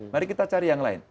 mari kita cari yang lain